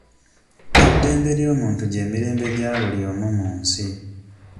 Eddembe ly'obuntu gy'emirembe gya buli omu mu nsi.